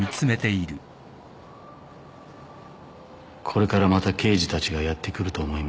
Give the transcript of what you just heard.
「これからまた刑事たちがやって来ると思います」